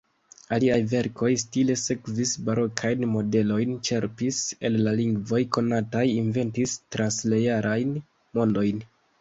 Aliaj verkoj stile sekvis barokajn modelojn; ĉerpis el la lingvoj konataj, inventis transrealajn mondojn.